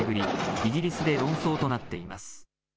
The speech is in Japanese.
イギリスで論争となっています。